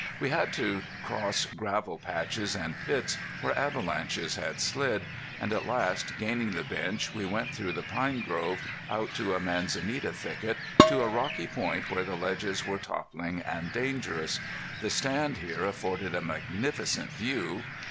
We had to cross gravel patches and pits where avalanches had slid, and at last, gaining the bench we went through the pine grove, out to a manzanita thicket, to a rocky point where the ledges were toppling and dangerous. The stand here afforded a magnificent view.